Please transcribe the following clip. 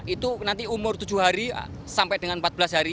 itu nanti umur tujuh hari sampai dengan empat belas hari